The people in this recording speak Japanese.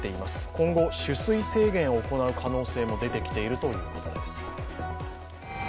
今後、取水制限を行う可能性も出てきているということです。